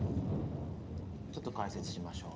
ちょっと解説しましょう。